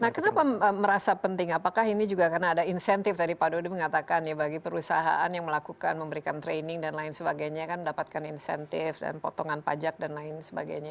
nah kenapa merasa penting apakah ini juga karena ada insentif tadi pak dodi mengatakan ya bagi perusahaan yang melakukan memberikan training dan lain sebagainya kan mendapatkan insentif dan potongan pajak dan lain sebagainya